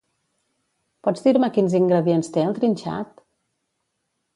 Pots dir-me quins ingredients té el trinxat?